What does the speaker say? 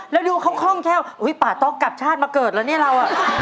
แล้วดูข้องแค่ว่าโอ้ยป่าต้องกลับชาติมาเกิดแล้วเนี่ยเรา